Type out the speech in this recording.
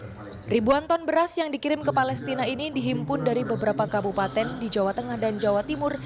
karena ribuan ton beras yang dikirim ke palestina ini dihimpun dari beberapa kabupaten di jawa tengah dan jawa timur